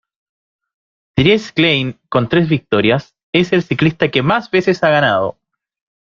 Dries Klein, con tres victorias, es el ciclista que más veces ha ganado.